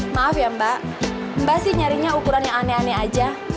maaf ya mbak mbak sih nyarinya ukuran yang aneh aneh aja